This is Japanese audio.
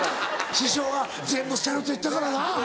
「師匠は全部捨てろと言ったからな。